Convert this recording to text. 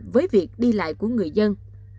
với việc đi lại của người dân